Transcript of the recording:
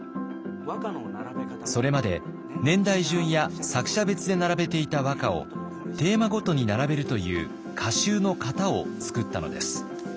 それまで年代順や作者別で並べていた和歌をテーマごとに並べるという歌集の型を創ったのです。